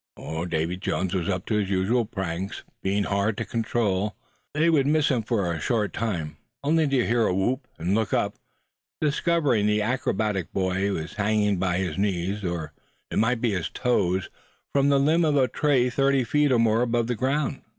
Davy Jones was up to his usual pranks, being hard to control. They would miss him for a short time, only to hear a whoop; and looking up, discover the acrobatic boy hanging by his knees, or it might be his toes, from the limb of a tree, thirty feet or more above the ground.